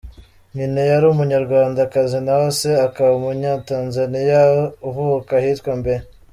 Nyina yari Umunyarwandakazi naho se akaba Umunyatanzaniya uvuka ahitwa Mbeya.